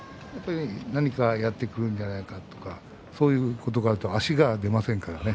何かやってくるんじゃないかとかそういうことがあると足が出ませんからね。